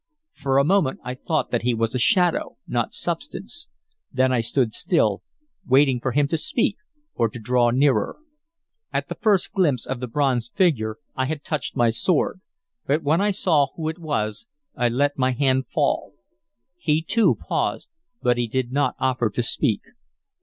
For a moment I thought that he was a shadow, not substance; then I stood still, waiting for him to speak or to draw nearer. At the first glimpse of the bronze figure I had touched my sword, but when I saw who it was I let my hand fall. He too paused, but he did not offer to speak.